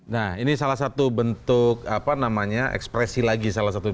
nah ini salah satu bentuk ekspresi lagi